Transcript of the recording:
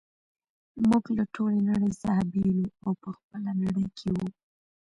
موږ له ټولې نړۍ څخه بیل وو او په خپله نړۍ کي وو.